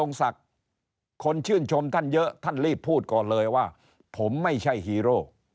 คนชื่นชมท่านเยอะท่านรีบพูดก่อนเลยว่าผมไม่ใช่ฮีโร่